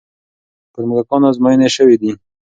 پر موږکانو ازموینې شوې دي.